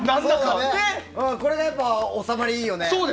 これがやっぱ収まりいいよね。